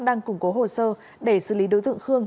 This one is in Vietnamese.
đang củng cố hồ sơ để xử lý đối tượng khương